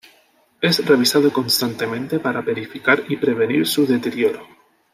Es revisado constantemente para verificar y prevenir su deterioro.